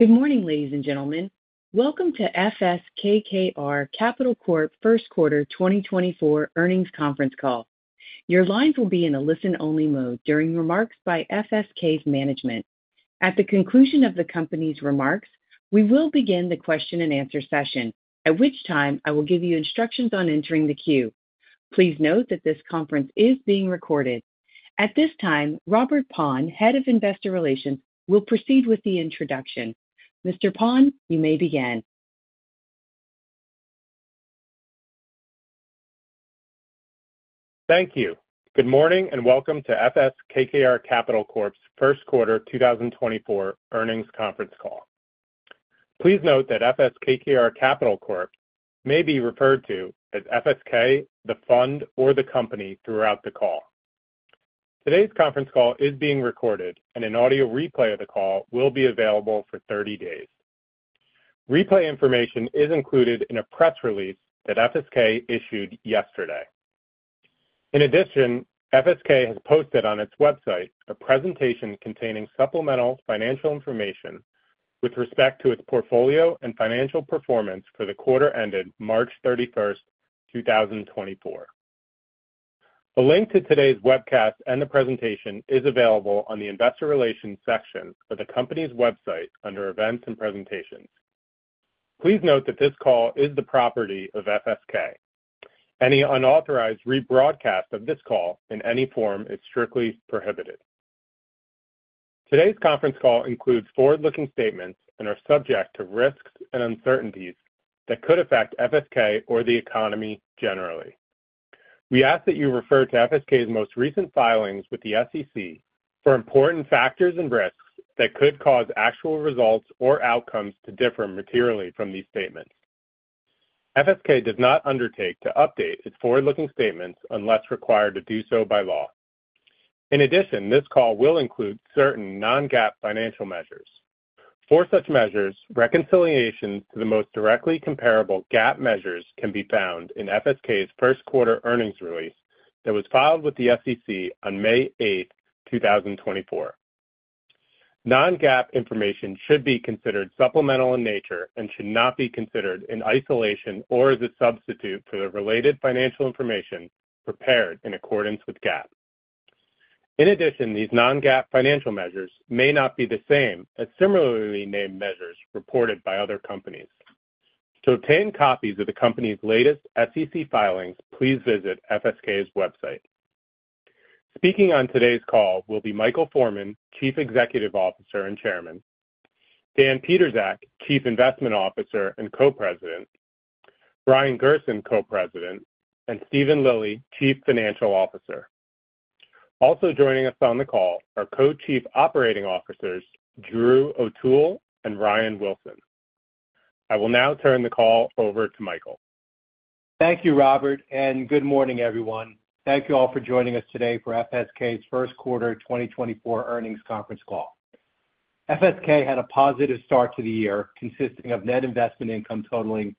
Good morning, ladies and gentlemen. Welcome to FS KKR Capital Corp first quarter 2024 earnings conference call. Your lines will be in a listen-only mode during remarks by FSK's management. At the conclusion of the company's remarks, we will begin the question-and-answer session, at which time I will give you instructions on entering the queue. Please note that this conference is being recorded. At this time, Robert Paun, head of investor relations, will proceed with the introduction. Mr. Paun, you may begin. Thank you. Good morning and welcome to FS KKR Capital Corp's first quarter 2024 earnings conference call. Please note that FS KKR Capital Corp may be referred to as FSK, the fund, or the company throughout the call. Today's conference call is being recorded, and an audio replay of the call will be available for 30 days. Replay information is included in a press release that FSK issued yesterday. In addition, FSK has posted on its website a presentation containing supplemental financial information with respect to its portfolio and financial performance for the quarter ended March 31st, 2024. A link to today's webcast and the presentation is available on the investor relations section of the company's website under Events and Presentations. Please note that this call is the property of FSK. Any unauthorized rebroadcast of this call in any form is strictly prohibited. Today's conference call includes forward-looking statements and are subject to risks and uncertainties that could affect FSK or the economy generally. We ask that you refer to FSK's most recent filings with the SEC for important factors and risks that could cause actual results or outcomes to differ materially from these statements. FSK does not undertake to update its forward-looking statements unless required to do so by law. In addition, this call will include certain non-GAAP financial measures. For such measures, reconciliations to the most directly comparable GAAP measures can be found in FSK's first quarter earnings release that was filed with the SEC on May 8th, 2024. Non-GAAP information should be considered supplemental in nature and should not be considered in isolation or as a substitute for the related financial information prepared in accordance with GAAP. In addition, these non-GAAP financial measures may not be the same as similarly named measures reported by other companies. To obtain copies of the company's latest SEC filings, please visit FSK's website. Speaking on today's call will be Michael Forman, Chief Executive Officer and Chairman; Dan Pietrzak, Chief Investment Officer and Co-President; Brian Gerson, Co-President; and Steven Lilly, Chief Financial Officer. Also joining us on the call are Co-Chief Operating Officers Drew O'Toole and Ryan Wilson. I will now turn the call over to Michael. Thank you, Robert, and good morning, everyone. Thank you all for joining us today for FSK's first quarter 2024 earnings conference call. FSK had a positive start to the year consisting of net investment income totaling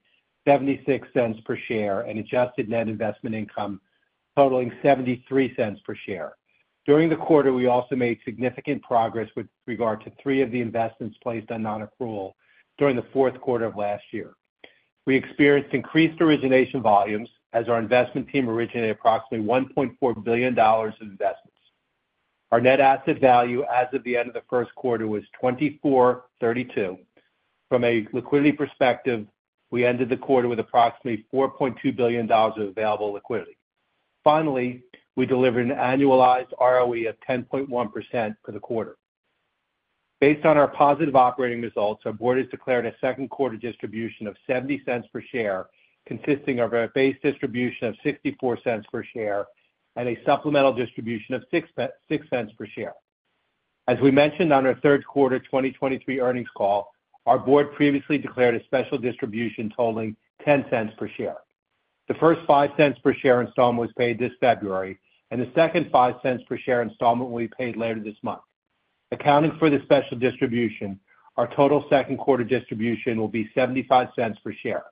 $0.76 per share and adjusted net investment income totaling $0.73 per share. During the quarter, we also made significant progress with regard to three of the investments placed on non-accrual during the fourth quarter of last year. We experienced increased origination volumes as our investment team originated approximately $1.4 billion of investments. Our net asset value as of the end of the first quarter was $2,432. From a liquidity perspective, we ended the quarter with approximately $4.2 billion of available liquidity. Finally, we delivered an annualized ROE of 10.1% for the quarter. Based on our positive operating results, our board has declared a second quarter distribution of $0.70 per share consisting of a base distribution of $0.64 per share and a supplemental distribution of $0.06 per share. As we mentioned on our third quarter 2023 earnings call, our board previously declared a special distribution totaling $0.10 per share. The first $0.05 per share installment was paid this February, and the second $0.05 per share installment will be paid later this month. Accounting for the special distribution, our total second quarter distribution will be $0.75 per share.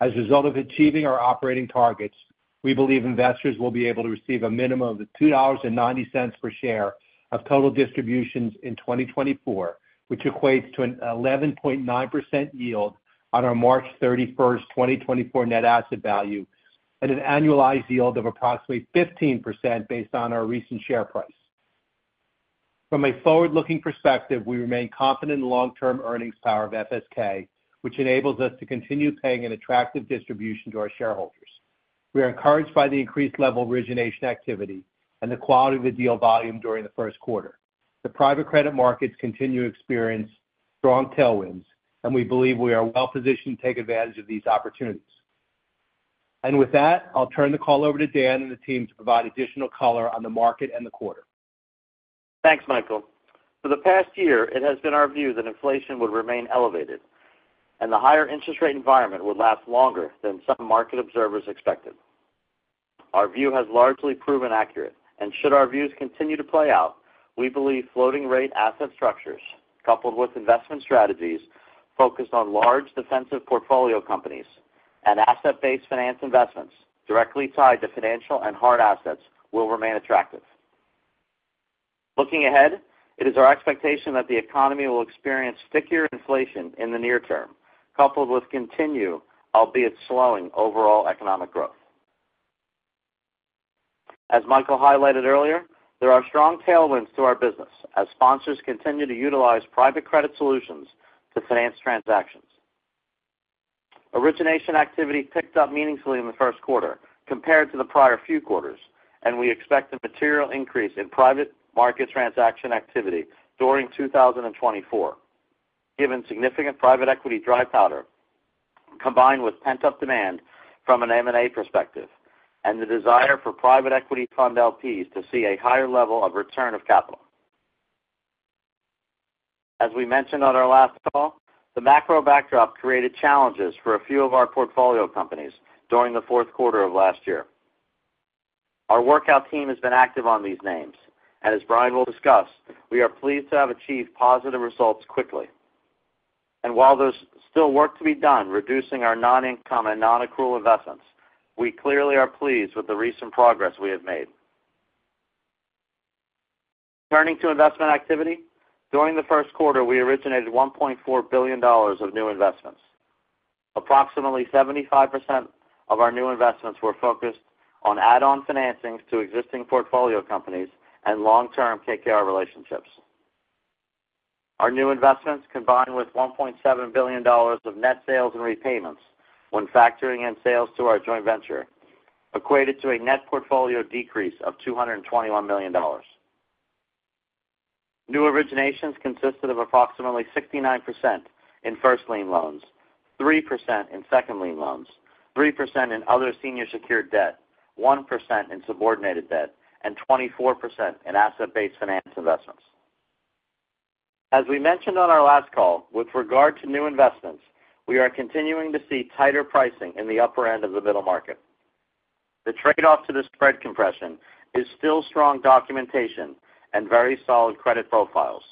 As a result of achieving our operating targets, we believe investors will be able to receive a minimum of $2.90 per share of total distributions in 2024, which equates to an 11.9% yield on our March 31st, 2024 net asset value and an annualized yield of approximately 15% based on our recent share price. From a forward-looking perspective, we remain confident in the long-term earnings power of FSK, which enables us to continue paying an attractive distribution to our shareholders. We are encouraged by the increased level of origination activity and the quality of the deal volume during the first quarter. The private credit markets continue to experience strong tailwinds, and we believe we are well positioned to take advantage of these opportunities. With that, I'll turn the call over to Dan and the team to provide additional color on the market and the quarter. Thanks, Michael. For the past year, it has been our view that inflation would remain elevated and the higher interest rate environment would last longer than some market observers expected. Our view has largely proven accurate, and should our views continue to play out, we believe floating-rate asset structures coupled with investment strategies focused on large defensive portfolio companies and asset-based finance investments directly tied to financial and hard assets will remain attractive. Looking ahead, it is our expectation that the economy will experience thicker inflation in the near term coupled with continue, albeit slowing, overall economic growth. As Michael highlighted earlier, there are strong tailwinds to our business as sponsors continue to utilize private credit solutions to finance transactions. Origination activity picked up meaningfully in the first quarter compared to the prior few quarters, and we expect a material increase in private market transaction activity during 2024 given significant private equity dry powder combined with pent-up demand from an M&A perspective and the desire for private equity fund LPs to see a higher level of return of capital. As we mentioned on our last call, the macro backdrop created challenges for a few of our portfolio companies during the fourth quarter of last year. Our workout team has been active on these names, and as Brian will discuss, we are pleased to have achieved positive results quickly. While there's still work to be done reducing our non-income and non-accrual investments, we clearly are pleased with the recent progress we have made. Turning to investment activity, during the first quarter, we originated $1.4 billion of new investments. Approximately 75% of our new investments were focused on add-on financings to existing portfolio companies and long-term KKR relationships. Our new investments combined with $1.7 billion of net sales and repayments when factoring in sales to our joint venture equated to a net portfolio decrease of $221 million. New originations consisted of approximately 69% in first lien loans, 3% in second lien loans, 3% in other senior-secured debt, 1% in subordinated debt, and 24% in asset-based finance investments. As we mentioned on our last call, with regard to new investments, we are continuing to see tighter pricing in the upper end of the middle market. The trade-off to the spread compression is still strong documentation and very solid credit profiles.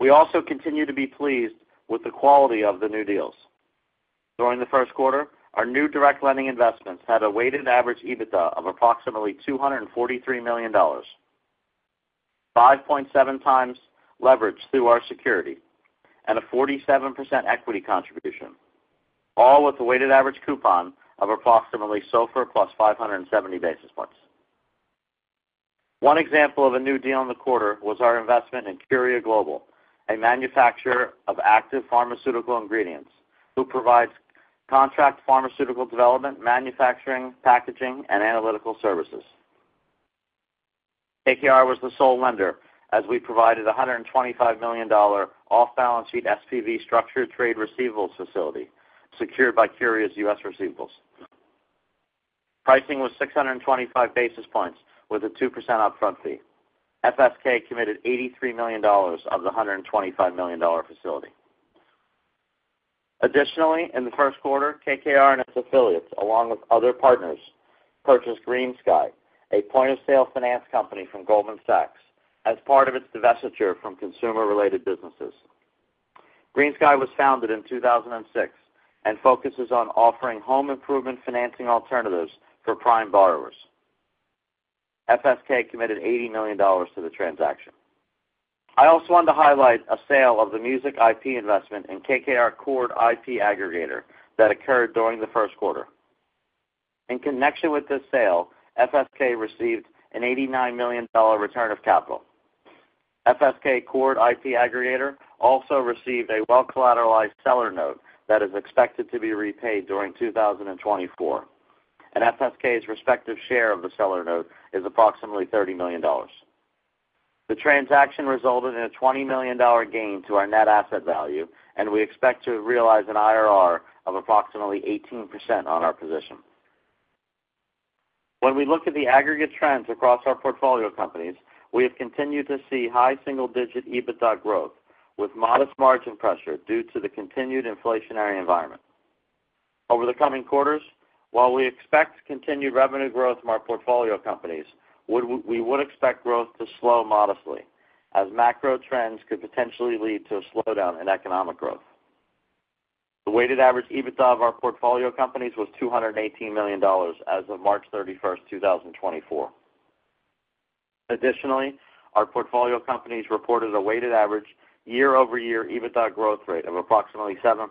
We also continue to be pleased with the quality of the new deals. During the first quarter, our new direct lending investments had a weighted average EBITDA of approximately $243 million, 5.7x leverage through our security, and a 47% equity contribution, all with a weighted average coupon of approximately SOFR plus 570 basis points. One example of a new deal in the quarter was our investment in Curia Global, a manufacturer of active pharmaceutical ingredients who provides contract pharmaceutical development, manufacturing, packaging, and analytical services. KKR was the sole lender as we provided a $125 million off-balance sheet SPV structured trade receivables facility secured by Curia's US receivables. Pricing was 625 basis points with a 2% upfront fee. FSK committed $83 million of the $125 million facility. Additionally, in the first quarter, KKR and its affiliates, along with other partners, purchased GreenSky, a point-of-sale finance company from Goldman Sachs, as part of its divestiture from consumer-related businesses. GreenSky was founded in 2006 and focuses on offering home improvement financing alternatives for prime borrowers. FSK committed $80 million to the transaction. I also want to highlight a sale of the music IP investment in KKR Core IP Aggregator that occurred during the first quarter. In connection with this sale, FSK received an $89 million return of capital. KKR Core IP Aggregator also received a well-collateralized seller note that is expected to be repaid during 2024, and FSK's respective share of the seller note is approximately $30 million. The transaction resulted in a $20 million gain to our net asset value, and we expect to realize an IRR of approximately 18% on our position. When we look at the aggregate trends across our portfolio companies, we have continued to see high single-digit EBITDA growth with modest margin pressure due to the continued inflationary environment. Over the coming quarters, while we expect continued revenue growth from our portfolio companies, we would expect growth to slow modestly as macro trends could potentially lead to a slowdown in economic growth. The weighted average EBITDA of our portfolio companies was $218 million as of March 31st, 2024. Additionally, our portfolio companies reported a weighted average year-over-year EBITDA growth rate of approximately 7%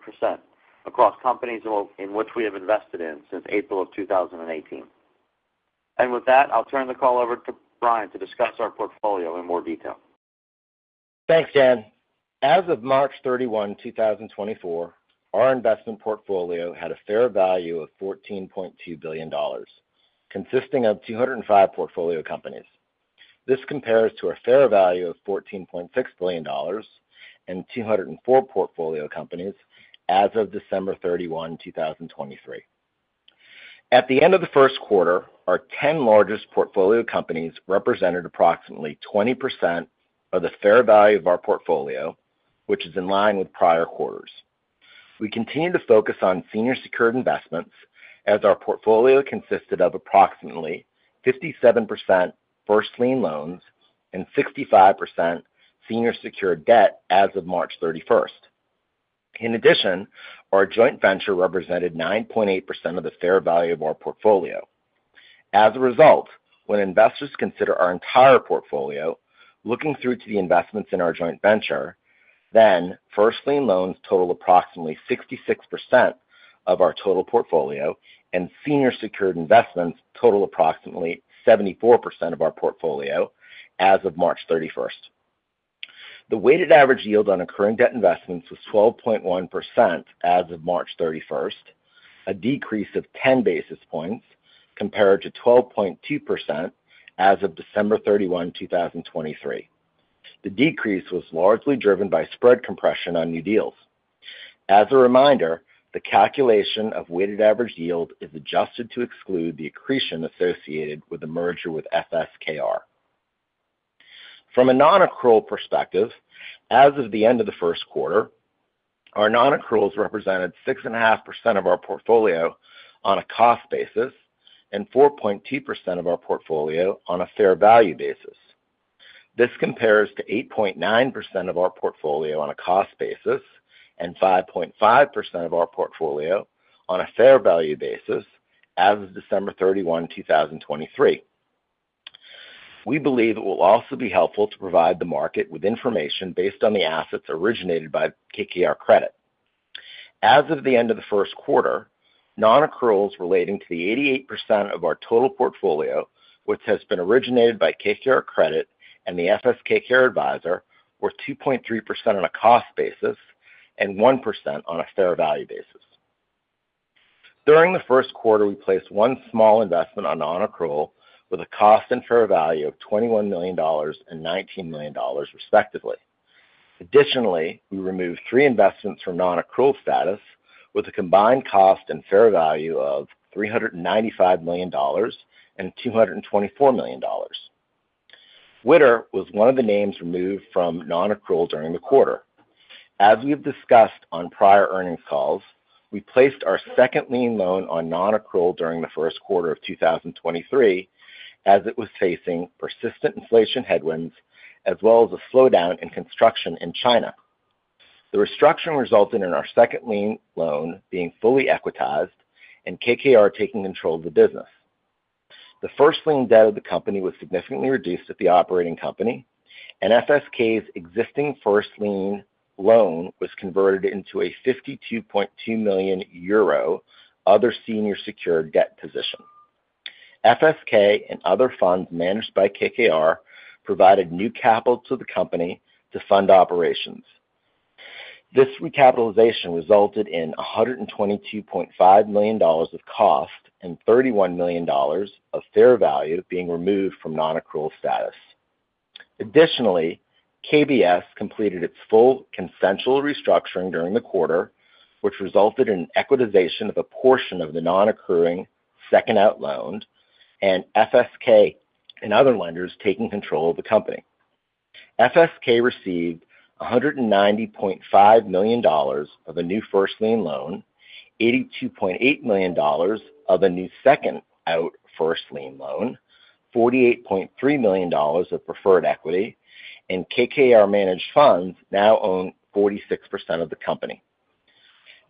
across companies in which we have invested in since April of 2018. With that, I'll turn the call over to Brian to discuss our portfolio in more detail. Thanks, Dan. As of March 31, 2024, our investment portfolio had a fair value of $14.2 billion consisting of 205 portfolio companies. This compares to a fair value of $14.6 billion in 204 portfolio companies as of December 31, 2023. At the end of the first quarter, our 10 largest portfolio companies represented approximately 20% of the fair value of our portfolio, which is in line with prior quarters. We continue to focus on senior-secured investments as our portfolio consisted of approximately 57% first lien loans and 65% senior-secured debt as of March 31st. In addition, our joint venture represented 9.8% of the fair value of our portfolio. As a result, when investors consider our entire portfolio looking through to the investments in our joint venture, then first lien loans total approximately 66% of our total portfolio and senior-secured investments total approximately 74% of our portfolio as of March 31st. The weighted average yield on accruing debt investments was 12.1% as of March 31st, a decrease of 10 basis points compared to 12.2% as of December 31, 2023. The decrease was largely driven by spread compression on new deals. As a reminder, the calculation of weighted average yield is adjusted to exclude the accretion associated with the merger with FS KKR. From a non-accrual perspective, as of the end of the first quarter, our non-accruals represented 6.5% of our portfolio on a cost basis and 4.2% of our portfolio on a fair value basis. This compares to 8.9% of our portfolio on a cost basis and 5.5% of our portfolio on a fair value basis as of December 31, 2023. We believe it will also be helpful to provide the market with information based on the assets originated by KKR Credit. As of the end of the first quarter, non-accruals relating to the 88% of our total portfolio, which has been originated by KKR Credit and the FS KKR advisor, were 2.3% on a cost basis and 1% on a fair value basis. During the first quarter, we placed one small investment on non-accrual with a cost and fair value of $21 million and $19 million, respectively. Additionally, we removed three investments from non-accrual status with a combined cost and fair value of $395 million and $224 million. Wittur was one of the names removed from non-accrual during the quarter. As we have discussed on prior earnings calls, we placed our second lien loan on non-accrual during the first quarter of 2023 as it was facing persistent inflation headwinds as well as a slowdown in construction in China. The restructuring resulted in our second lien loan being fully equitized and KKR taking control of the business. The first lien debt of the company was significantly reduced at the operating company, and FSK's existing first lien loan was converted into a 52.2 million euro other senior-secured debt position. FSK and other funds managed by KKR provided new capital to the company to fund operations. This recapitalization resulted in $122.5 million of cost and $31 million of fair value being removed from non-accrual status. Additionally, KBS completed its full consensual restructuring during the quarter, which resulted in an equitization of a portion of the non-accruing second-out loan and FSK and other lenders taking control of the company. FSK received $190.5 million of a new first lien loan, $82.8 million of a new second-out first lien loan, $48.3 million of preferred equity, and KKR managed funds now own 46% of the company.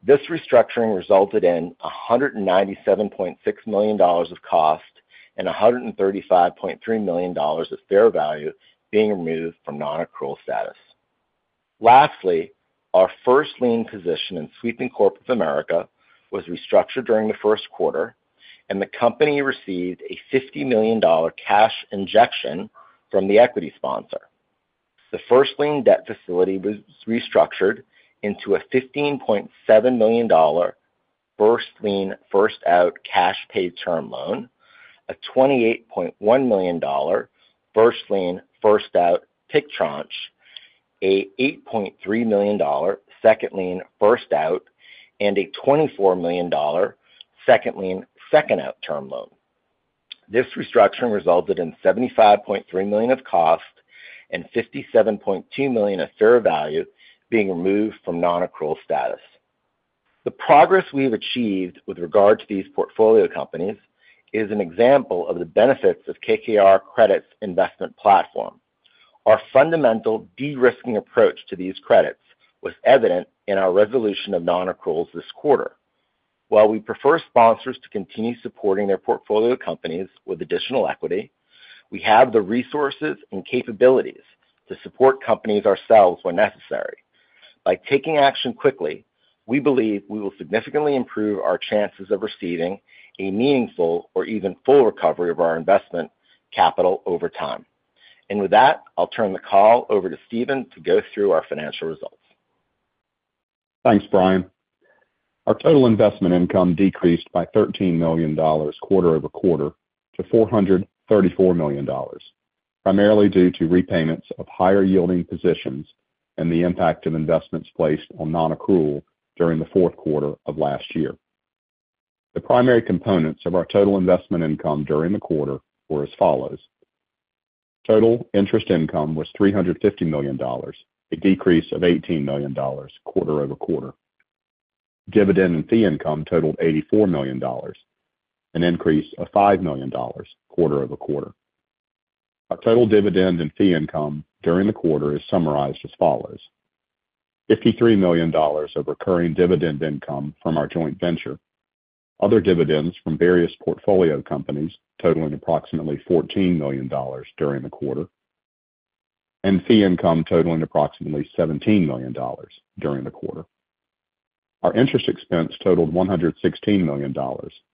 This restructuring resulted in $197.6 million of cost and $135.3 million of fair value being removed from non-accrual status. Lastly, our first lien position in Sweeping Corporation of America was restructured during the first quarter, and the company received a $50 million cash injection from the equity sponsor. The first lien debt facility was restructured into a $15.7 million first lien first-out cash-paid term loan, a $28.1 million first lien first-out PIK tranche, a $8.3 million second lien first-out, and a $24 million second lien second-out term loan. This restructuring resulted in $75.3 million of cost and $57.2 million of fair value being removed from non-accrual status. The progress we have achieved with regard to these portfolio companies is an example of the benefits of KKR Credit's investment platform. Our fundamental de-risking approach to these credits was evident in our resolution of non-accruals this quarter. While we prefer sponsors to continue supporting their portfolio companies with additional equity, we have the resources and capabilities to support companies ourselves when necessary. By taking action quickly, we believe we will significantly improve our chances of receiving a meaningful or even full recovery of our investment capital over time. With that, I'll turn the call over to Steven to go through our financial results. Thanks, Brian. Our total investment income decreased by $13 million quarter-over-quarter to $434 million, primarily due to repayments of higher-yielding positions and the impact of investments placed on non-accrual during the fourth quarter of last year. The primary components of our total investment income during the quarter were as follows. Total interest income was $350 million, a decrease of $18 million quarter-over-quarter. Dividend and fee income totaled $84 million, an increase of $5 million quarter-over-quarter. Our total dividend and fee income during the quarter is summarized as follows. $53 million of recurring dividend income from our joint venture, other dividends from various portfolio companies totaling approximately $14 million during the quarter, and fee income totaling approximately $17 million during the quarter. Our interest expense totaled $116 million,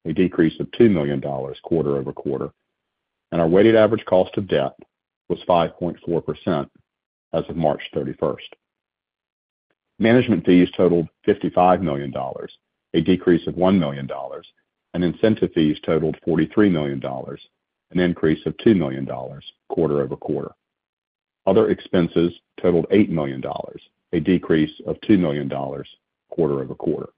a decrease of $2 million quarter-over-quarter, and our weighted average cost of debt was 5.4% as of March 31st. Management fees totaled $55 million, a decrease of $1 million, and incentive fees totaled $43 million, an increase of $2 million quarter-over-quarter. Other expenses totaled $8 million, a decrease of $2 million quarter-over-quarter.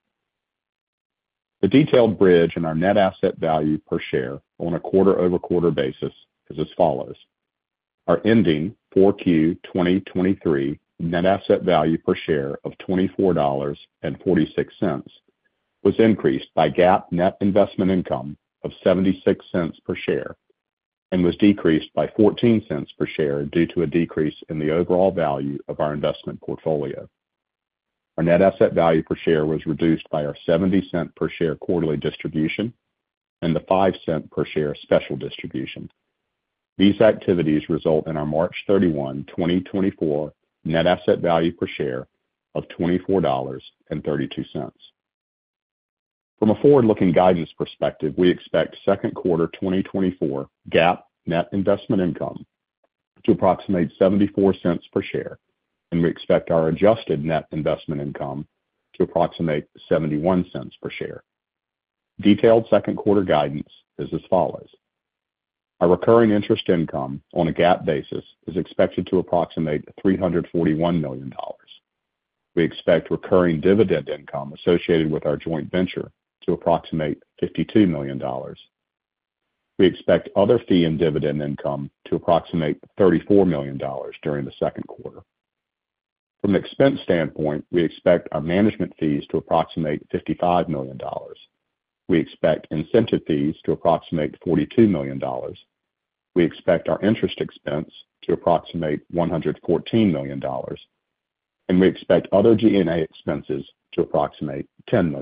The detailed bridge in our net asset value per share on a quarter-over-quarter basis is as follows. Our ending 4Q2023 net asset value per share of $24.46 was increased by GAAP net investment income of $0.76 per share and was decreased by $0.14 per share due to a decrease in the overall value of our investment portfolio. Our net asset value per share was reduced by our $0.70 per share quarterly distribution and the $0.05 per share special distribution. These activities result in our March 31, 2024, net asset value per share of $24.32. From a forward-looking guidance perspective, we expect second quarter 2024 GAAP net investment income to approximate $0.74 per share, and we expect our adjusted net investment income to approximate $0.71 per share. Detailed second quarter guidance is as follows. Our recurring interest income on a GAAP basis is expected to approximate $341 million. We expect recurring dividend income associated with our joint venture to approximate $52 million. We expect other fee and dividend income to approximate $34 million during the second quarter. From an expense standpoint, we expect our management fees to approximate $55 million. We expect incentive fees to approximate $42 million. We expect our interest expense to approximate $114 million, and we expect other G&A expenses to approximate $10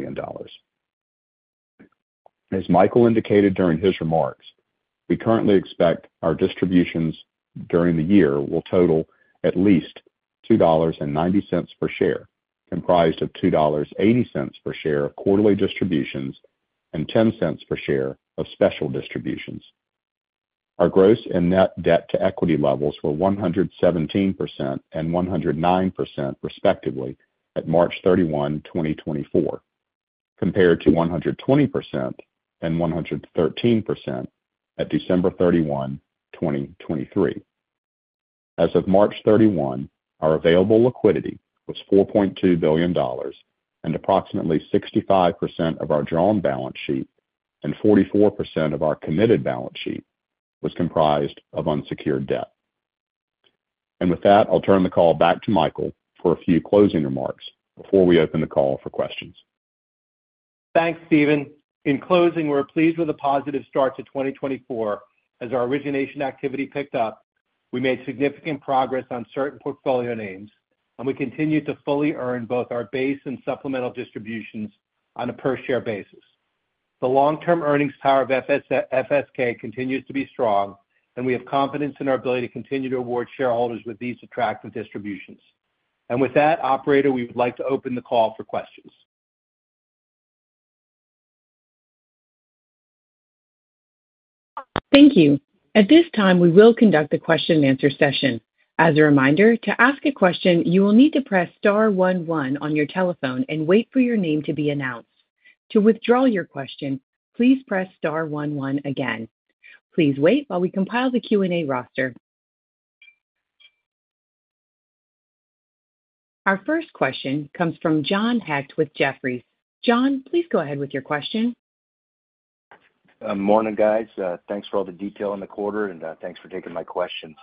million. As Michael indicated during his remarks, we currently expect our distributions during the year will total at least $2.90 per share, comprised of $2.80 per share of quarterly distributions and $0.10 per share of special distributions. Our gross and net debt-to-equity levels were 117% and 109%, respectively, at March 31, 2024, compared to 120% and 113% at December 31, 2023. As of March 31, our available liquidity was $4.2 billion, and approximately 65% of our drawn balance sheet and 44% of our committed balance sheet was comprised of unsecured debt. With that, I'll turn the call back to Michael for a few closing remarks before we open the call for questions. Thanks, Steven. In closing, we're pleased with a positive start to 2024. As our origination activity picked up, we made significant progress on certain portfolio names, and we continue to fully earn both our base and supplemental distributions on a per-share basis. The long-term earnings power of FSK continues to be strong, and we have confidence in our ability to continue to award shareholders with these attractive distributions. And with that, operator, we would like to open the call for questions. Thank you. At this time, we will conduct a question-and-answer session. As a reminder, to ask a question, you will need to press star one one on your telephone and wait for your name to be announced. To withdraw your question, please press star one one again. Please wait while we compile the Q&A roster. Our first question comes from John Hecht with Jefferies. John, please go ahead with your question. Morning, guys. Thanks for all the detail in the quarter, and thanks for taking my questions.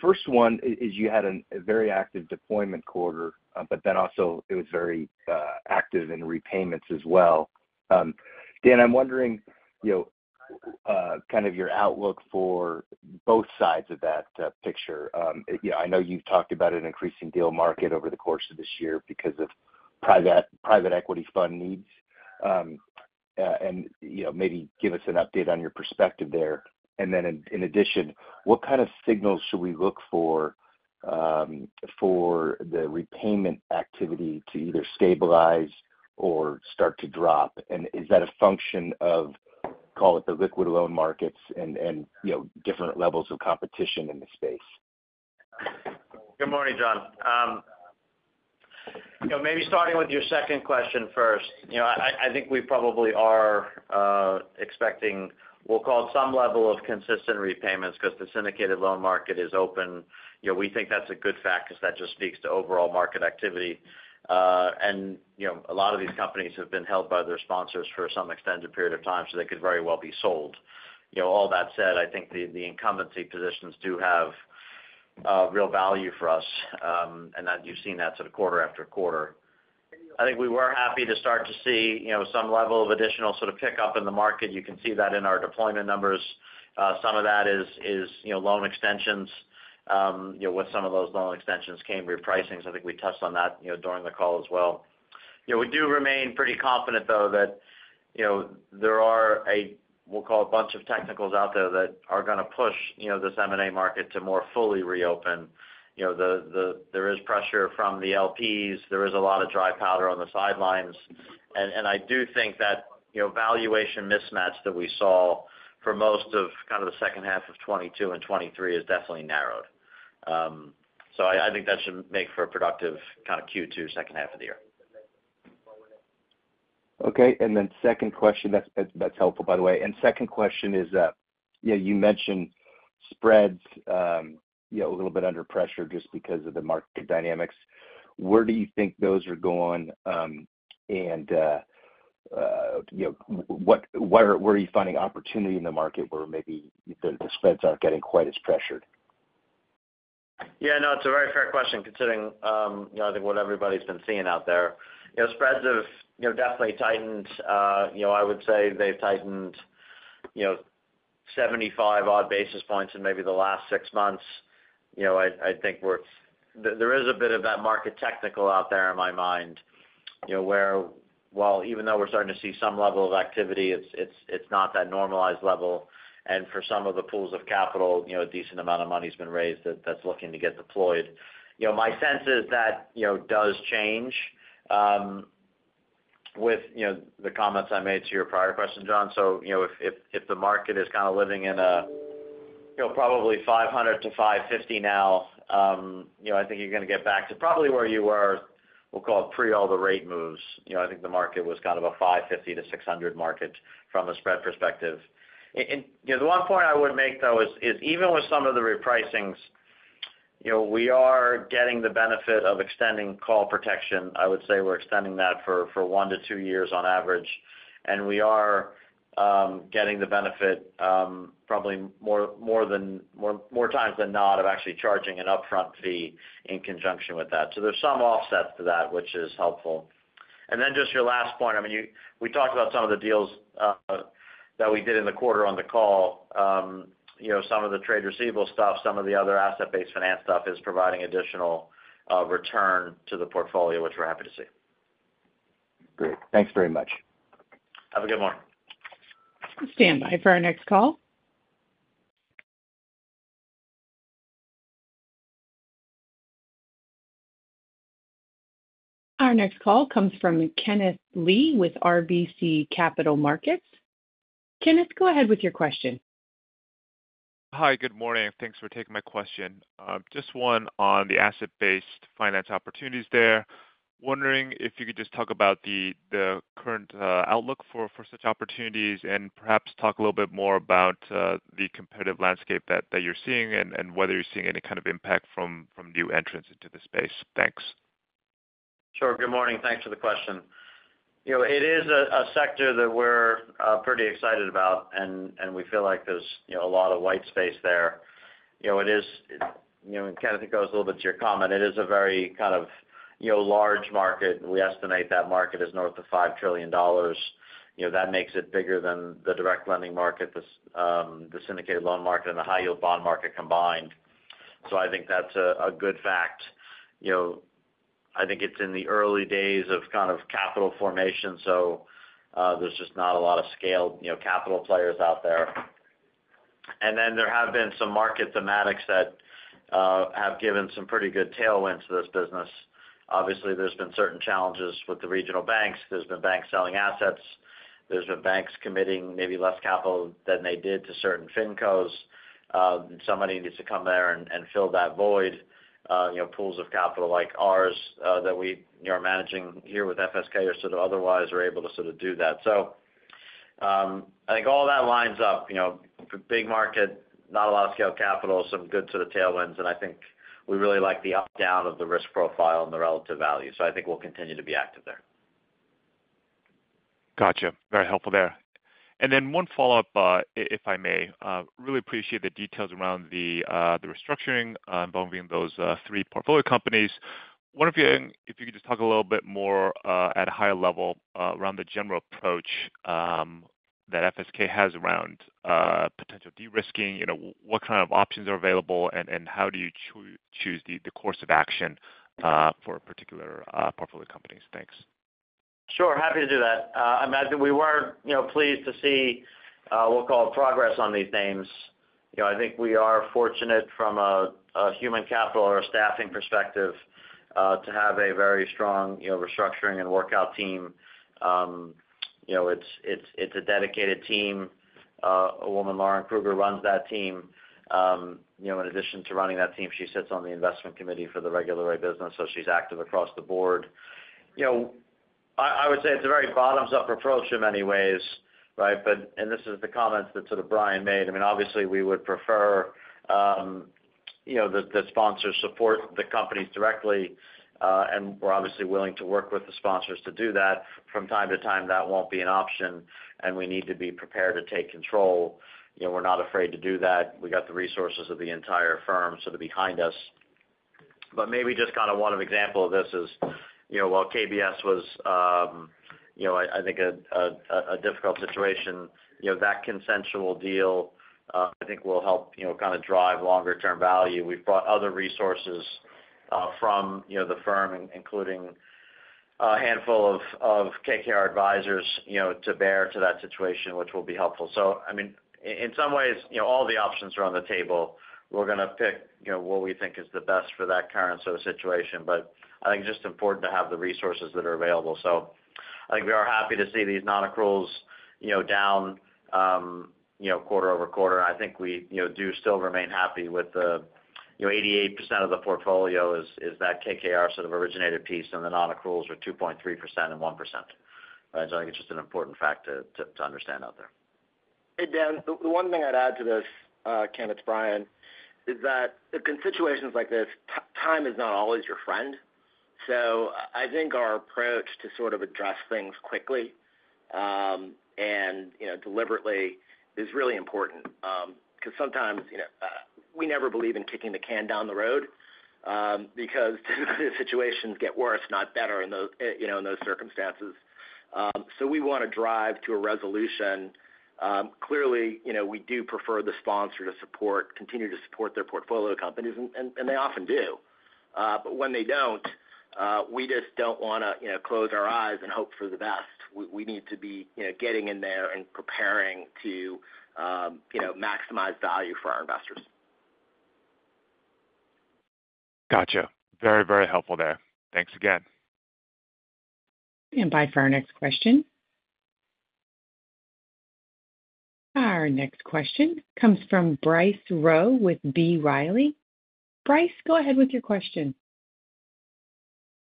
First one is you had a very active deployment quarter, but then also it was very active in repayments as well. Dan, I'm wondering kind of your outlook for both sides of that picture. I know you've talked about an increasing deal market over the course of this year because of private equity fund needs. And maybe give us an update on your perspective there. And then in addition, what kind of signals should we look for for the repayment activity to either stabilize or start to drop? And is that a function of, call it, the liquid loan markets and different levels of competition in the space? Good morning, John. Maybe starting with your second question first. I think we probably are expecting we'll call it some level of consistent repayments because the syndicated loan market is open. We think that's a good fact because that just speaks to overall market activity. And a lot of these companies have been held by their sponsors for some extended period of time, so they could very well be sold. All that said, I think the incumbency positions do have real value for us, and you've seen that sort of quarter after quarter. I think we were happy to start to see some level of additional sort of pickup in the market. You can see that in our deployment numbers. Some of that is loan extensions. With some of those loan extensions came repricings. I think we touched on that during the call as well. We do remain pretty confident, though, that there are a, we'll call it, a bunch of technicals out there that are going to push this M&A market to more fully reopen. There is pressure from the LPs. There is a lot of dry powder on the sidelines. And I do think that valuation mismatch that we saw for most of kind of the second half of 2022 and 2023 is definitely narrowed. So I think that should make for a productive kind of Q2 second half of the year. Okay. And then second question, that's helpful, by the way. And second question is you mentioned spreads a little bit under pressure just because of the market dynamics. Where do you think those are going, and where are you finding opportunity in the market where maybe the spreads aren't getting quite as pressured? Yeah. No, it's a very fair question considering I think what everybody's been seeing out there. Spreads have definitely tightened. I would say they've tightened 75-odd basis points in maybe the last six months. I think there is a bit of that market technical out there in my mind where, even though we're starting to see some level of activity, it's not that normalized level. And for some of the pools of capital, a decent amount of money's been raised that's looking to get deployed. My sense is that does change with the comments I made to your prior question, John. So if the market is kind of living in a probably 500-550 now, I think you're going to get back to probably where you were, we'll call it, pre all the rate moves. I think the market was kind of a 550-600 market from a spread perspective. The one point I would make, though, is even with some of the repricings, we are getting the benefit of extending call protection. I would say we're extending that for 1-2 years on average. We are getting the benefit probably more times than not of actually charging an upfront fee in conjunction with that. There's some offsets to that, which is helpful. Just your last point. I mean, we talked about some of the deals that we did in the quarter on the call. Some of the trade receivable stuff, some of the other asset-based finance stuff is providing additional return to the portfolio, which we're happy to see. Great. Thanks very much. Have a good morning. Stand by for our next call. Our next call comes from Kenneth Lee with RBC Capital Markets. Kenneth, go ahead with your question. Hi. Good morning. Thanks for taking my question. Just one on the asset-based finance opportunities there. Wondering if you could just talk about the current outlook for such opportunities and perhaps talk a little bit more about the competitive landscape that you're seeing and whether you're seeing any kind of impact from new entrants into the space. Thanks. Sure. Good morning. Thanks for the question. It is a sector that we're pretty excited about, and we feel like there's a lot of white space there. And Kenneth, it goes a little bit to your comment. It is a very kind of large market. We estimate that market is north of $5 trillion. That makes it bigger than the direct lending market, the syndicated loan market, and the high-yield bond market combined. So I think that's a good fact. I think it's in the early days of kind of capital formation, so there's just not a lot of scaled capital players out there. And then there have been some market thematics that have given some pretty good tailwinds to this business. Obviously, there's been certain challenges with the regional banks. There's been banks selling assets. There's been banks committing maybe less capital than they did to certain fincos. Somebody needs to come there and fill that void. Pools of capital like ours that we are managing here with FSK or sort of otherwise are able to sort of do that. So I think all that lines up. Big market, not a lot of scaled capital, some good sort of tailwinds. And I think we really like the up/down of the risk profile and the relative value. So I think we'll continue to be active there. Gotcha. Very helpful there. And then one follow-up, if I may. Really appreciate the details around the restructuring involving those three portfolio companies. Wondering if you could just talk a little bit more at a higher level around the general approach that FSK has around potential de-risking. What kind of options are available, and how do you choose the course of action for particular portfolio companies? Thanks. Sure. Happy to do that. I imagine we were pleased to see, we'll call it, progress on these names. I think we are fortunate from a human capital or a staffing perspective to have a very strong restructuring and workout team. It's a dedicated team. A woman, Lauren Krueger, runs that team. In addition to running that team, she sits on the investment committee for the regulatory business, so she's active across the board. I would say it's a very bottoms-up approach in many ways, right? And this is the comments that sort of Brian made. I mean, obviously, we would prefer that sponsors support the companies directly, and we're obviously willing to work with the sponsors to do that. From time to time, that won't be an option, and we need to be prepared to take control. We're not afraid to do that. We got the resources of the entire firm sort of behind us. But maybe just kind of one example of this is while KBS was, I think, a difficult situation, that consensual deal, I think, will help kind of drive longer-term value. We've brought other resources from the firm, including a handful of KKR advisors, to bear to that situation, which will be helpful. So I mean, in some ways, all the options are on the table. We're going to pick what we think is the best for that current sort of situation. But I think it's just important to have the resources that are available. So I think we are happy to see these non-accruals down quarter-over-quarter. And I think we do still remain happy with the 88% of the portfolio is that KKR sort of originated piece, and the non-accruals are 2.3% and 1%, right? So I think it's just an important fact to understand out there. Hey, Dan, the one thing I'd add to this, Kenneth, Brian, is that in situations like this, time is not always your friend. So I think our approach to sort of address things quickly and deliberately is really important because sometimes we never believe in kicking the can down the road because typically, the situations get worse, not better, in those circumstances. So we want to drive to a resolution. Clearly, we do prefer the sponsor to continue to support their portfolio companies, and they often do. But when they don't, we just don't want to close our eyes and hope for the best. We need to be getting in there and preparing to maximize value for our investors. Gotcha. Very, very helpful there. Thanks again. Bye for our next question. Our next question comes from Bryce Rowe with B. Riley. Bryce, go ahead with your question.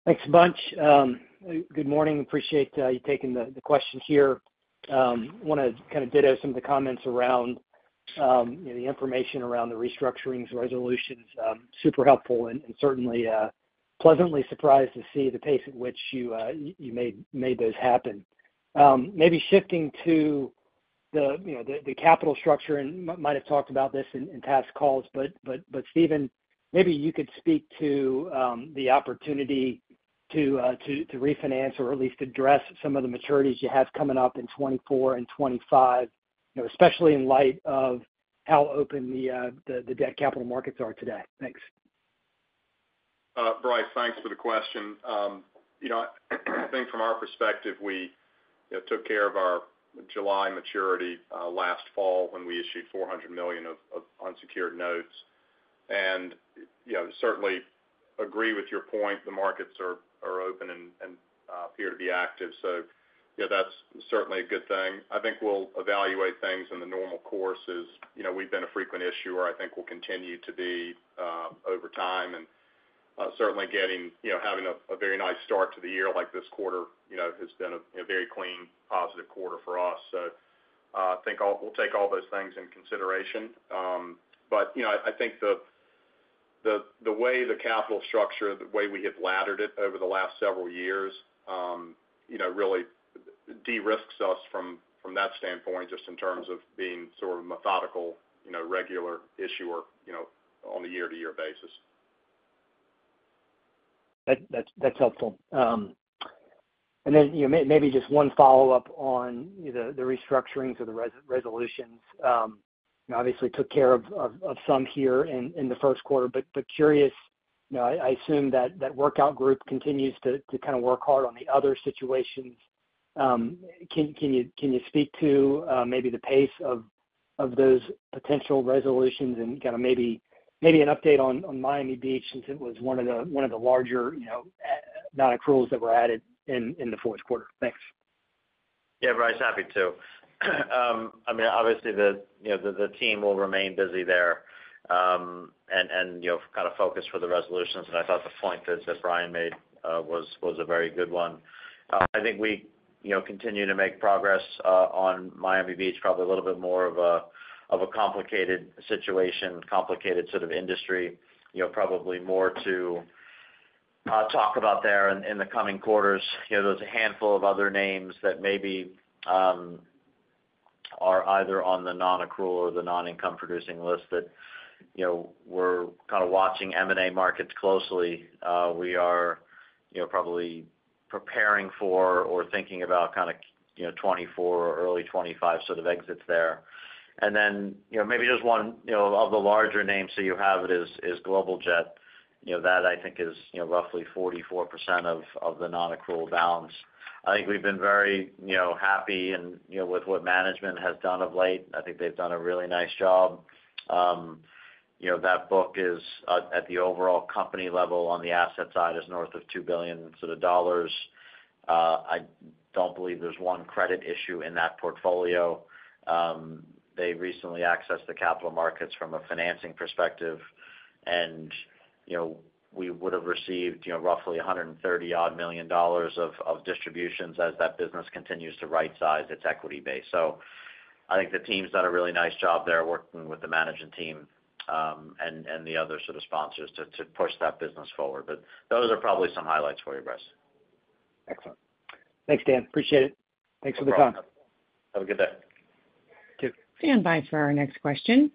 Thanks, Bunch. Good morning. Appreciate you taking the question here. Want to kind of ditto some of the comments around the information around the restructuring resolutions. Super helpful and certainly pleasantly surprised to see the pace at which you made those happen. Maybe shifting to the capital structure and might have talked about this in past calls, but Steven, maybe you could speak to the opportunity to refinance or at least address some of the maturities you have coming up in 2024 and 2025, especially in light of how open the debt capital markets are today. Thanks. Bryce, thanks for the question. I think from our perspective, we took care of our July maturity last fall when we issued $400 million of unsecured notes. Certainly, agree with your point. The markets are open and appear to be active. So that's certainly a good thing. I think we'll evaluate things in the normal courses. We've been a frequent issuer. I think we'll continue to be over time. Certainly, having a very nice start to the year like this quarter has been a very clean, positive quarter for us. So I think we'll take all those things in consideration. But I think the way the capital structure, the way we have laddered it over the last several years, really de-risks us from that standpoint just in terms of being sort of a methodical regular issuer on a year-to-year basis. That's helpful. And then maybe just one follow-up on the restructurings or the resolutions. Obviously, took care of some here in the first quarter, but curious, I assume that workout group continues to kind of work hard on the other situations. Can you speak to maybe the pace of those potential resolutions and kind of maybe an update on Miami Beach since it was one of the larger non-accruals that were added in the fourth quarter? Thanks. Yeah, Bryce, happy to. I mean, obviously, the team will remain busy there and kind of focus for the resolutions. And I thought the point that Brian made was a very good one. I think we continue to make progress on Miami Beach, probably a little bit more of a complicated situation, complicated sort of industry, probably more to talk about there in the coming quarters. There's a handful of other names that maybe are either on the non-accrual or the non-income-producing list that we're kind of watching M&A markets closely. We are probably preparing for or thinking about kind of 2024 or early 2025 sort of exits there. And then maybe just one of the larger names that you have is Global Jet. That, I think, is roughly 44% of the non-accrual balance. I think we've been very happy with what management has done of late. I think they've done a really nice job. That book is, at the overall company level on the asset side, is north of $2 billion sort of dollars. I don't believe there's one credit issue in that portfolio. They recently accessed the capital markets from a financing perspective, and we would have received roughly $130-odd million of distributions as that business continues to right-size its equity base. So I think the team's done a really nice job there working with the managing team and the other sort of sponsors to push that business forward. But those are probably some highlights for you, Bryce. Excellent. Thanks, Dan. Appreciate it. Thanks for the time. No problem. Have a good day. You too. And now for our next question.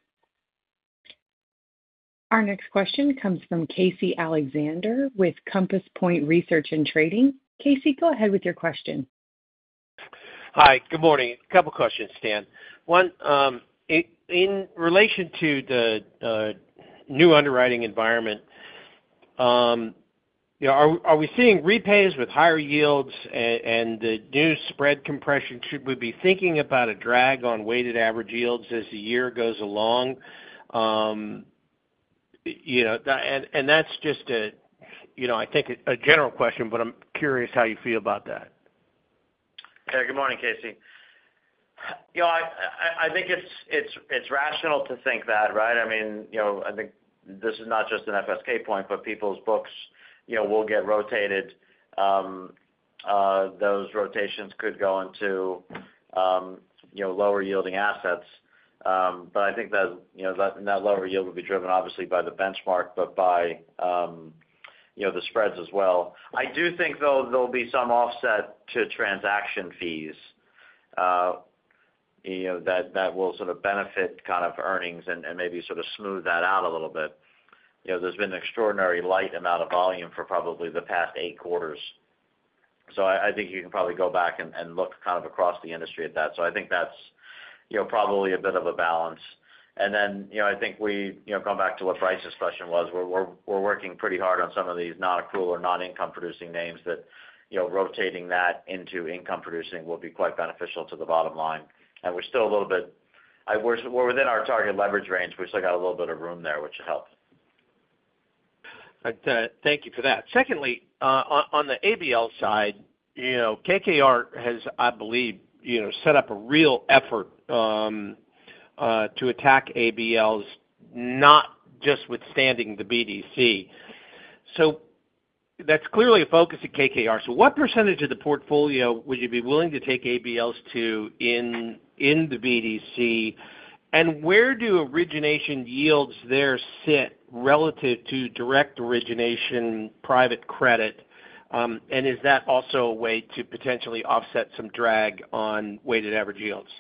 Our next question comes from Casey Alexander with Compass Point Research & Trading. Casey, go ahead with your question. Hi. Good morning. A couple of questions, Stan. One, in relation to the new underwriting environment, are we seeing repays with higher yields, and the new spread compression? Should we be thinking about a drag on weighted average yields as the year goes along? And that's just, I think, a general question, but I'm curious how you feel about that. Okay. Good morning, Casey. I think it's rational to think that, right? I mean, I think this is not just an FSK point, but people's books will get rotated. Those rotations could go into lower-yielding assets. But I think that lower yield will be driven, obviously, by the benchmark but by the spreads as well. I do think, though, there'll be some offset to transaction fees that will sort of benefit kind of earnings and maybe sort of smooth that out a little bit. There's been an extraordinarily light amount of volume for probably the past 8 quarters. So I think you can probably go back and look kind of across the industry at that. So I think that's probably a bit of a balance. And then I think we come back to what Bryce's question was. We're working pretty hard on some of these non-accrual or non-income-producing names that rotating that into income-producing will be quite beneficial to the bottom line. And we're still a little bit within our target leverage range. We've still got a little bit of room there, which should help. Thank you for that. Secondly, on the ABL side, KKR has, I believe, set up a real effort to attack ABLs, not just within the BDC. So that's clearly a focus at KKR. So what percentage of the portfolio would you be willing to take ABLs to in the BDC? And where do origination yields there sit relative to direct origination private credit? And is that also a way to potentially offset some drag on weighted average yields?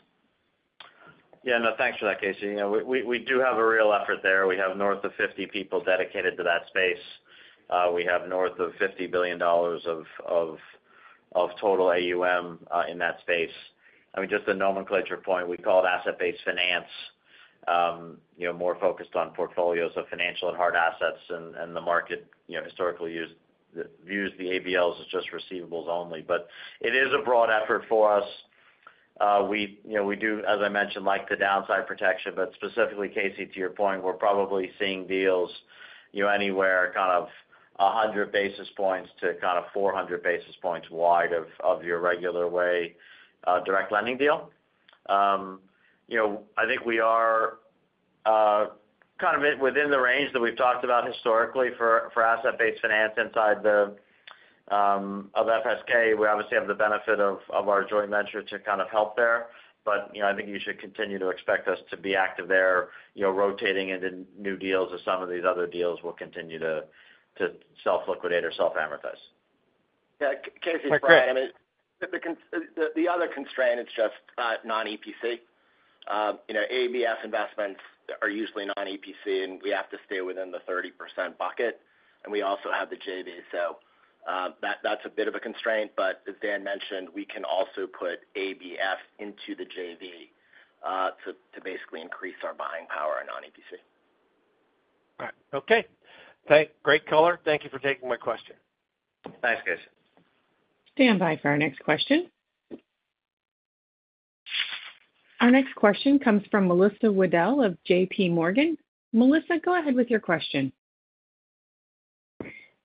Yeah. No, thanks for that, Casey. We do have a real effort there. We have north of 50 people dedicated to that space. We have north of $50 billion of total AUM in that space. I mean, just a nomenclature point, we call it asset-based finance, more focused on portfolios of financial and hard assets. And the market historically views the ABLs as just receivables only. But it is a broad effort for us. We do, as I mentioned, like the downside protection. But specifically, Casey, to your point, we're probably seeing deals anywhere kind of 100 basis points to kind of 400 basis points wide of your regular way direct lending deal. I think we are kind of within the range that we've talked about historically for asset-based finance inside of FSK. We obviously have the benefit of our joint venture to kind of help there. But I think you should continue to expect us to be active there, rotating into new deals as some of these other deals will continue to self-liquidate or self-amortize. Yeah. Casey, Brian, I mean, the other constraint is just non-EPC. ABF investments are usually non-EPC, and we have to stay within the 30% bucket. And we also have the JV. So that's a bit of a constraint. But as Dan mentioned, we can also put ABF into the JV to basically increase our buying power in non-EPC. All right. Okay. Great caller. Thank you for taking my question. Thanks, Casey. Stand by for our next question. Our next question comes from Melissa Wedel of JPMorgan. Melissa, go ahead with your question.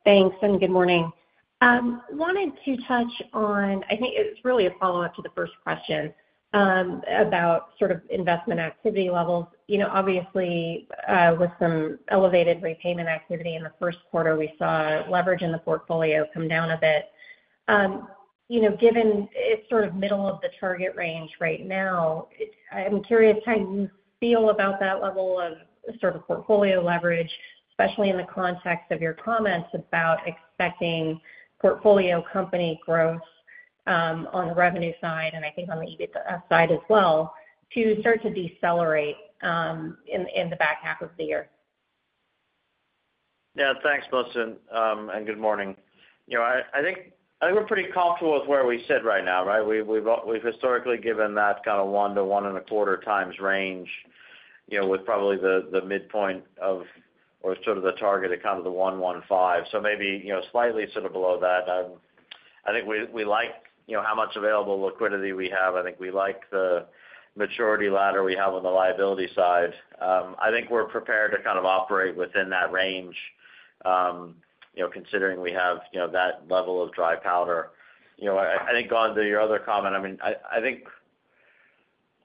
Thanks. And good morning. Wanted to touch on, I think it's really a follow-up to the first question about sort of investment activity levels. Obviously, with some elevated repayment activity in the first quarter, we saw leverage in the portfolio come down a bit. Given it's sort of middle of the target range right now, I'm curious how you feel about that level of sort of portfolio leverage, especially in the context of your comments about expecting portfolio company growth on the revenue side and I think on the EBITDA side as well to start to decelerate in the back half of the year. Yeah. Thanks, Bunch, and good morning. I think we're pretty comfortable with where we sit right now, right? We've historically given that kind of 1-1.25 times range with probably the midpoint of or sort of the target at kind of the 1.15. So maybe slightly sort of below that. I think we like how much available liquidity we have. I think we like the maturity ladder we have on the liability side. I think we're prepared to kind of operate within that range considering we have that level of dry powder. I think going to your other comment, I mean, I think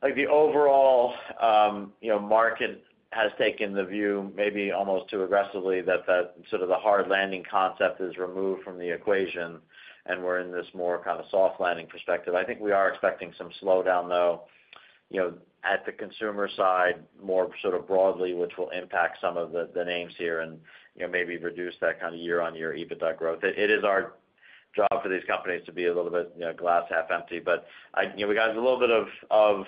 the overall market has taken the view maybe almost too aggressively that sort of the hard landing concept is removed from the equation, and we're in this more kind of soft landing perspective. I think we are expecting some slowdown, though, at the consumer side more sort of broadly, which will impact some of the names here and maybe reduce that kind of year-on-year EBITDA growth. It is our job for these companies to be a little bit glass half empty. But we got a little bit of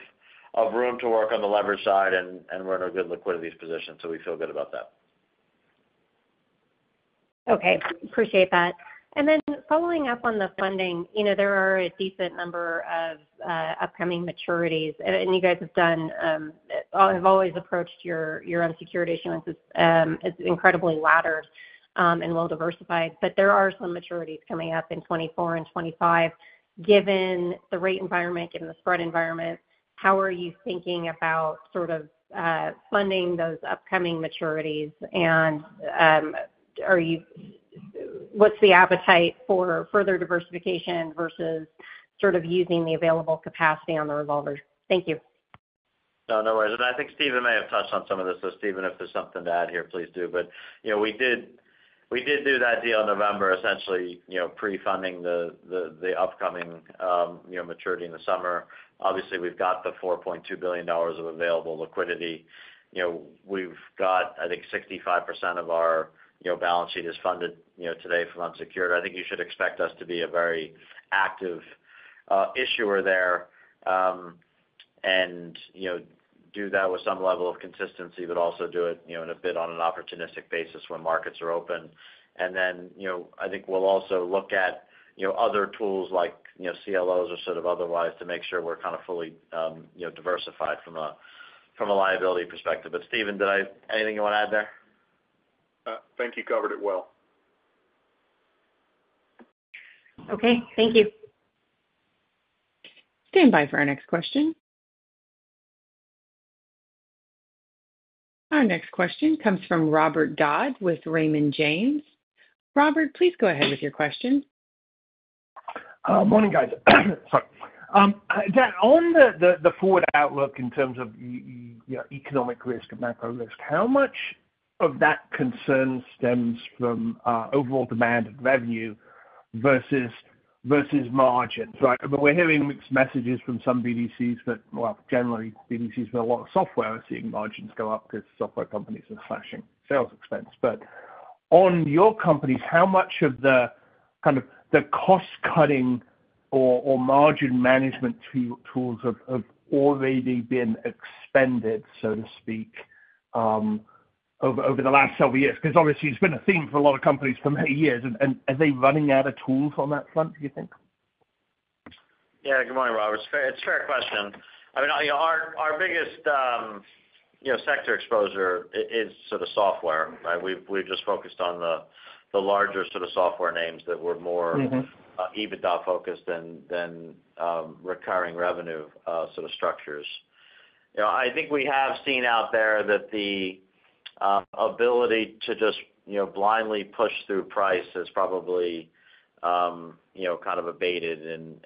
room to work on the leverage side, and we're in a good liquidity position, so we feel good about that. Okay. Appreciate that. And then following up on the funding, there are a decent number of upcoming maturities. And you guys have always approached your unsecured issuance as incredibly laddered and well-diversified. But there are some maturities coming up in 2024 and 2025. Given the rate environment, given the spread environment, how are you thinking about sort of funding those upcoming maturities? And what's the appetite for further diversification versus sort of using the available capacity on the revolvers? Thank you. Oh, no worries. And I think Stephen may have touched on some of this. So Stephen, if there's something to add here, please do. But we did do that deal in November, essentially pre-funding the upcoming maturity in the summer. Obviously, we've got the $4.2 billion of available liquidity. We've got, I think, 65% of our balance sheet is funded today from unsecured. I think you should expect us to be a very active issuer there and do that with some level of consistency but also do it in a bit on an opportunistic basis when markets are open. And then I think we'll also look at other tools like CLOs or sort of otherwise to make sure we're kind of fully diversified from a liability perspective. But Stephen, did I anything you want to add there? Thank you. Covered it well. Okay. Thank you. Stand by for our next question. Our next question comes from Robert Dodd with Raymond James. Robert, please go ahead with your question. Morning, guys. Sorry. Dan, on the forward outlook in terms of economic risk and macro risk, how much of that concern stems from overall demand and revenue versus margins, right? I mean, we're hearing mixed messages from some BDCs but, well, generally, BDCs with a lot of software are seeing margins go up because software companies are slashing sales expense. But on your companies, how much of the kind of the cost-cutting or margin management tools have already been expended, so to speak, over the last several years? Because obviously, it's been a theme for a lot of companies for many years. And are they running out of tools on that front, do you think? Yeah. Good morning, Robert. It's a fair question. I mean, our biggest sector exposure is sort of software, right? We've just focused on the larger sort of software names that were more EBITDA-focused than recurring revenue sort of structures. I think we have seen out there that the ability to just blindly push through price has probably kind of abated,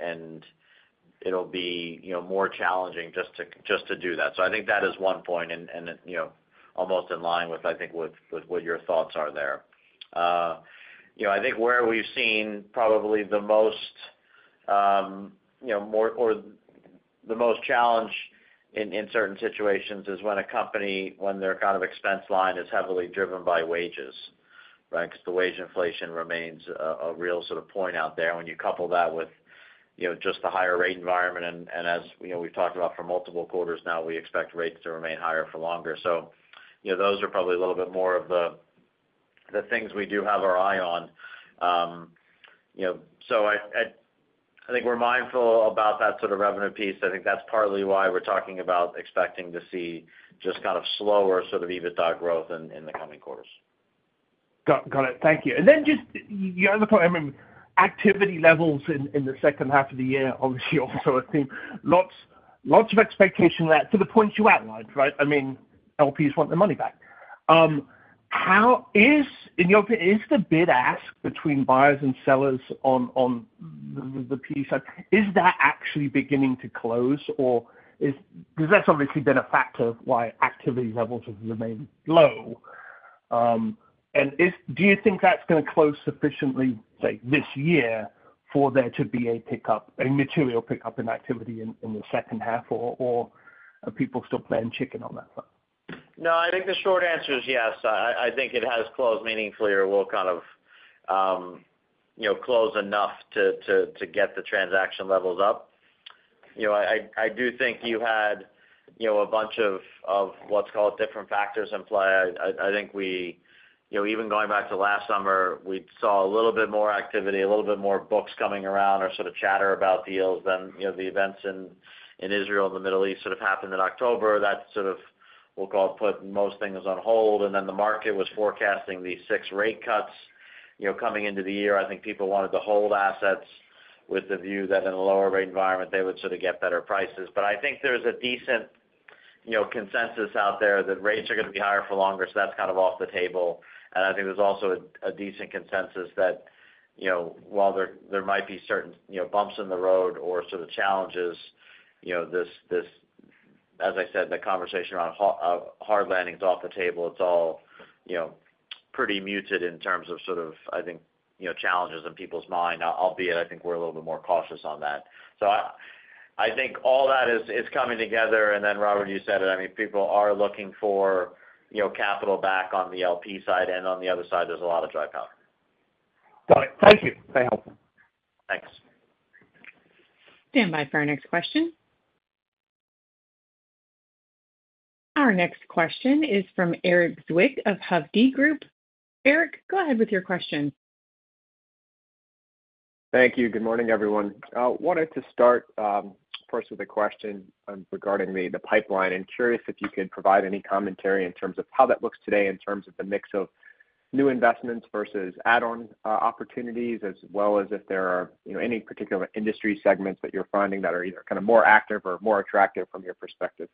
and it'll be more challenging just to do that. So I think that is one point and almost in line with, I think, what your thoughts are there. I think where we've seen probably the most or the most challenge in certain situations is when a company, when their kind of expense line is heavily driven by wages, right? Because the wage inflation remains a real sort of point out there. And when you couple that with just the higher rate environment and as we've talked about for multiple quarters now, we expect rates to remain higher for longer. So those are probably a little bit more of the things we do have our eye on. So I think we're mindful about that sort of revenue piece. I think that's partly why we're talking about expecting to see just kind of slower sort of EBITDA growth in the coming quarters. Got it. Thank you. And then just the other point, I mean, activity levels in the second half of the year, obviously, also a theme. Lots of expectation there to the points you outlined, right? I mean, LPs want their money back. In your opinion, is the bid-ask between buyers and sellers on the PE side, is that actually beginning to close? Because that's obviously been a factor of why activity levels have remained low. And do you think that's going to close sufficiently, say, this year for there to be a pickup, a material pickup in activity in the second half, or are people still playing chicken on that front? No. I think the short answer is yes. I think it has closed meaningfully or will kind of close enough to get the transaction levels up. I do think you had a bunch of, let's call it, different factors in play. I think even going back to last summer, we saw a little bit more activity, a little bit more books coming around or sort of chatter about deals than the events in Israel and the Middle East sort of happened in October. That sort of, we'll call it, put most things on hold. And then the market was forecasting these six rate cuts coming into the year. I think people wanted to hold assets with the view that in a lower rate environment, they would sort of get better prices. But I think there's a decent consensus out there that rates are going to be higher for longer, so that's kind of off the table. And I think there's also a decent consensus that while there might be certain bumps in the road or sort of challenges, as I said, the conversation around hard landing is off the table. It's all pretty muted in terms of sort of, I think, challenges in people's mind, albeit I think we're a little bit more cautious on that. So I think all that is coming together. And then, Robert, you said it. I mean, people are looking for capital back on the LP side. And on the other side, there's a lot of dry powder. Got it. Thank you. Very helpful. Thanks. Stand by for our next question. Our next question is from Erik Zwick of Hovde Group. Erik, go ahead with your question. Thank you. Good morning, everyone. I wanted to start first with a question regarding the pipeline. I'm curious if you could provide any commentary in terms of how that looks today in terms of the mix of new investments versus add-on opportunities as well as if there are any particular industry segments that you're finding that are either kind of more active or more attractive from your perspective.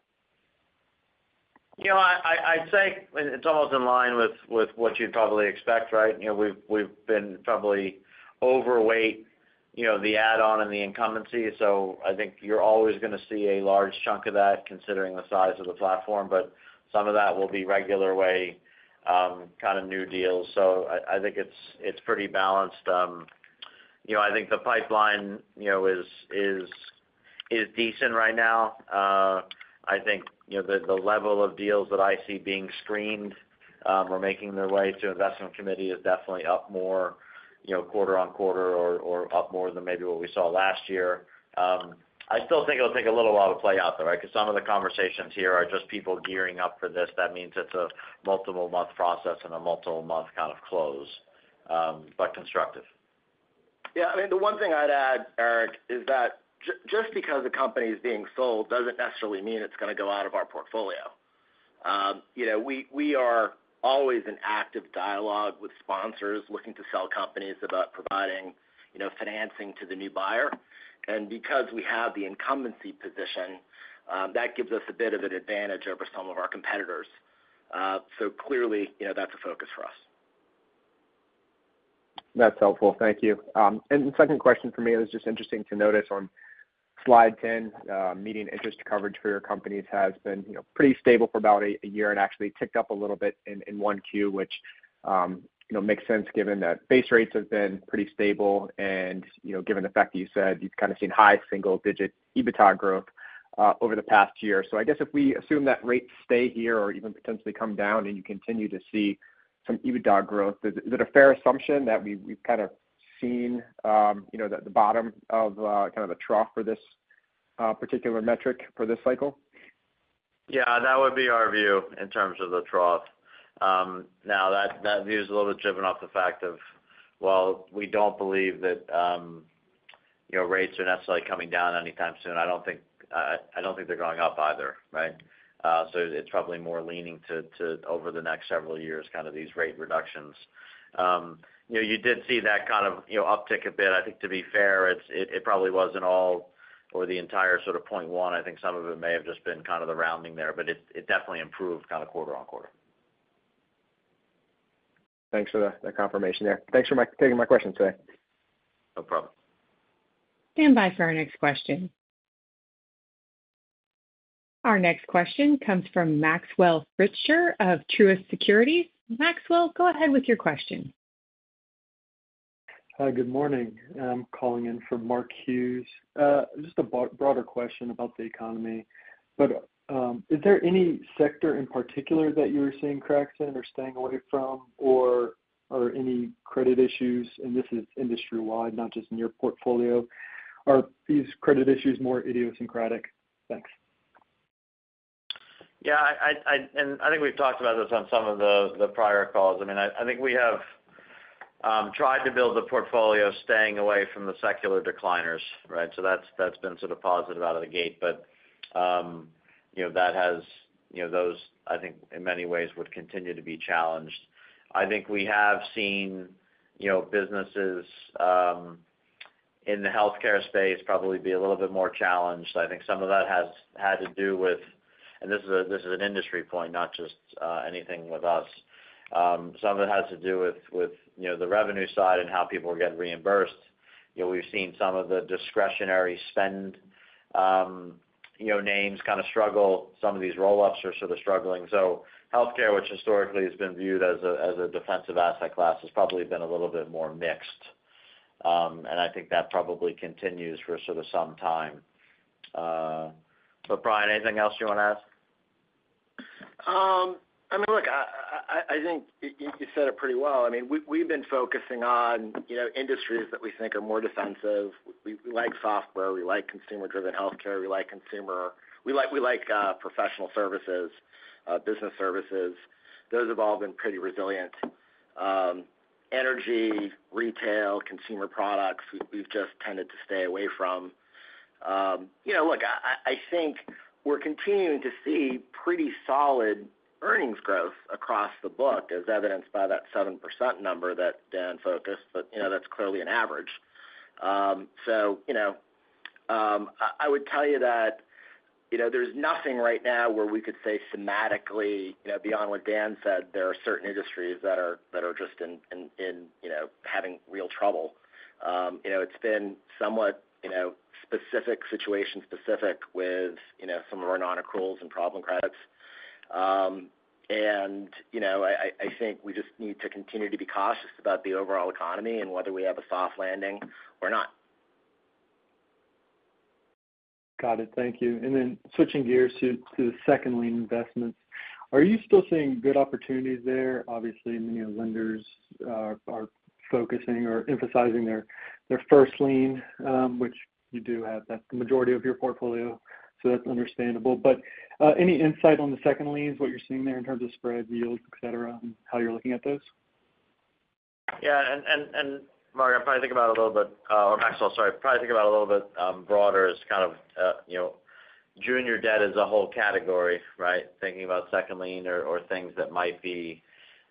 I'd say it's almost in line with what you'd probably expect, right? We've been probably overweight the add-on and the incumbency. So I think you're always going to see a large chunk of that considering the size of the platform. But some of that will be regular way kind of new deals. So I think it's pretty balanced. I think the pipeline is decent right now. I think the level of deals that I see being screened or making their way to investment committee is definitely up more quarter-on-quarter or up more than maybe what we saw last year. I still think it'll take a little while to play out though, right? Because some of the conversations here are just people gearing up for this. That means it's a multiple-month process and a multiple-month kind of close but constructive. Yeah. I mean, the one thing I'd add, Erik, is that just because a company is being sold doesn't necessarily mean it's going to go out of our portfolio. We are always in active dialogue with sponsors looking to sell companies about providing financing to the new buyer. And because we have the incumbency position, that gives us a bit of an advantage over some of our competitors. So clearly, that's a focus for us. That's helpful. Thank you. And the second question for me was just interesting to notice on slide 10, median interest coverage for your companies has been pretty stable for about a year and actually ticked up a little bit in 1Q, which makes sense given that base rates have been pretty stable and given the fact that you said you've kind of seen high single-digit EBITDA growth over the past year. So I guess if we assume that rates stay here or even potentially come down and you continue to see some EBITDA growth, is it a fair assumption that we've kind of seen the bottom of kind of the trough for this particular metric for this cycle? Yeah. That would be our view in terms of the trough. Now, that view's a little bit driven off the fact of, well, we don't believe that rates are necessarily coming down anytime soon. I don't think they're going up either, right? So it's probably more leaning to, over the next several years, kind of these rate reductions. You did see that kind of uptick a bit. I think to be fair, it probably wasn't all or the entire sort of 0.1. I think some of it may have just been kind of the rounding there. But it definitely improved kind of quarter-over-quarter. Thanks for that confirmation there. Thanks for taking my question today. No problem. Stand by for our next question. Our next question comes from Maxwell Fritscher of Truist Securities. Maxwell, go ahead with your question. Hi. Good morning. I'm calling in from Mark Hughes. Just a broader question about the economy. Is there any sector in particular that you're seeing cracks in or staying away from or any credit issues? This is industry-wide, not just in your portfolio. Are these credit issues more idiosyncratic? Thanks. Yeah. I think we've talked about this on some of the prior calls. I mean, I think we have tried to build a portfolio staying away from the secular decliners, right? That's been sort of positive out of the gate. But that has those, I think, in many ways would continue to be challenged. I think we have seen businesses in the healthcare space probably be a little bit more challenged. I think some of that has to do with, and this is an industry point, not just anything with us. Some of it has to do with the revenue side and how people get reimbursed. We've seen some of the discretionary spend names kind of struggle. Some of these roll-ups are sort of struggling. Healthcare, which historically has been viewed as a defensive asset class, has probably been a little bit more mixed. I think that probably continues for sort of some time. But Brian, anything else you want to add? I mean, look, I think you said it pretty well. I mean, we've been focusing on industries that we think are more defensive. We like software. We like consumer-driven healthcare. We like consumer, we like professional services, business services. Those have all been pretty resilient. Energy, retail, consumer products, we've just tended to stay away from. Look, I think we're continuing to see pretty solid earnings growth across the book as evidenced by that 7% number that Dan focused. But that's clearly an average. So I would tell you that there's nothing right now where we could say thematically, beyond what Dan said, there are certain industries that are just in having real trouble. It's been somewhat specific, situation-specific with some of our non-accruals and problem credits. I think we just need to continue to be cautious about the overall economy and whether we have a soft landing or not. Got it. Thank you. And then switching gears to the second lien investments, are you still seeing good opportunities there? Obviously, many of the lenders are focusing or emphasizing their first lien, which you do have. That's the majority of your portfolio. So that's understandable. But any insight on the second liens, what you're seeing there in terms of spread, yields, etc., and how you're looking at those? Yeah. And Mark, I'll probably think about it a little bit or Maxwell, sorry. I'll probably think about it a little bit broader as kind of junior debt as a whole category, right, thinking about second lien or things that might be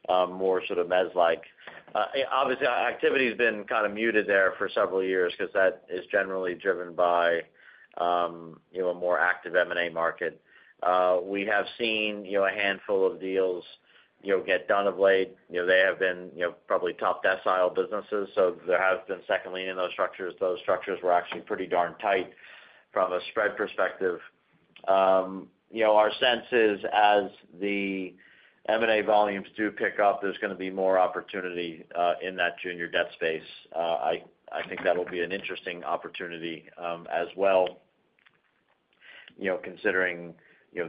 more sort of mezzanine-like. Obviously, activity has been kind of muted there for several years because that is generally driven by a more active M&A market. We have seen a handful of deals get done of late. They have been probably top decile businesses. So there has been second lien in those structures. Those structures were actually pretty darn tight from a spread perspective. Our sense is as the M&A volumes do pick up, there's going to be more opportunity in that junior debt space. I think that'll be an interesting opportunity as well considering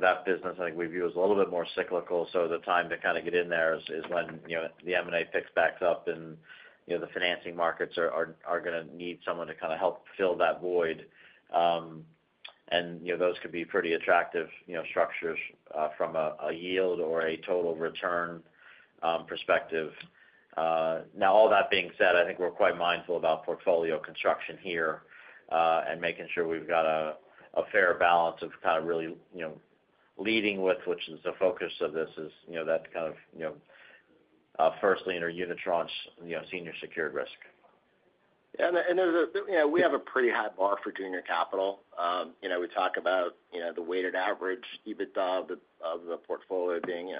that business. I think we view it as a little bit more cyclical. So the time to kind of get in there is when the M&A picks back up and the financing markets are going to need someone to kind of help fill that void. And those could be pretty attractive structures from a yield or a total return perspective. Now, all that being said, I think we're quite mindful about portfolio construction here and making sure we've got a fair balance of kind of really leading with, which is the focus of this, is that kind of first lien or unitranche senior secured risk. Yeah. And we have a pretty high bar for junior capital. We talk about the weighted average EBITDA of the portfolio being,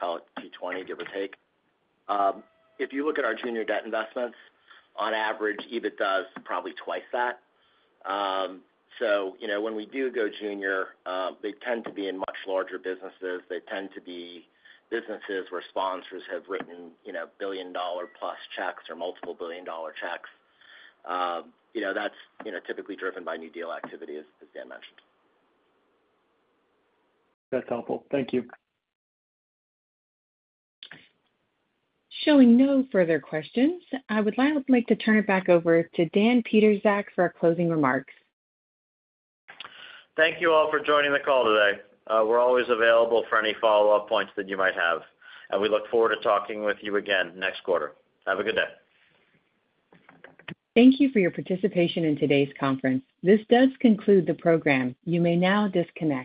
call it $20, give or take. If you look at our junior debt investments, on average, EBITDA is probably twice that. So when we do go junior, they tend to be in much larger businesses. They tend to be businesses where sponsors have written billion-dollar-plus checks or multiple billion-dollar checks. That's typically driven by new deal activity, as Dan mentioned. That's helpful. Thank you. Showing no further questions, I would like to turn it back over to Dan Pietrzak for closing remarks. Thank you all for joining the call today. We're always available for any follow-up points that you might have. We look forward to talking with you again next quarter. Have a good day. Thank you for your participation in today's conference. This does conclude the program. You may now disconnect.